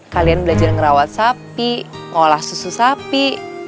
kalian belajar ngerawat sapi mengolah susu sapi